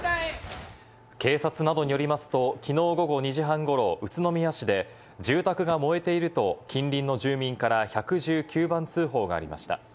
警察などによりますと、きのう午後２時半ごろ、宇都宮市で住宅が燃えていると近隣の住民から１１９番通報がありました。